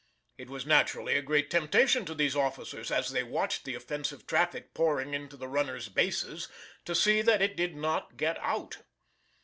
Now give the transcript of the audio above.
It was naturally a great temptation to these officers as they watched the offensive traffic pouring into the runner's bases to see that it did not get out.